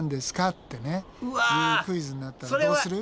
っていうクイズになったらどうする？